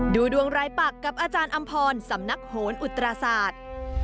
ดูดวงรายปักกับอาจารย์อำพรสำนักโหนอุตราศาสตร์